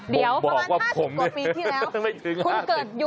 เดี๋ยวประมาณ๕๐กว่าปีที่แล้วคุณเกิดยุคเดียวกับไดโนเสาร์เลยหรือเปล่า